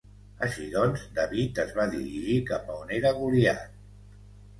Així doncs, David es va dirigir cap on era Goliat.